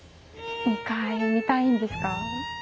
２階見たいんですか？